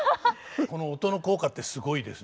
この音の効果ってすごいですね。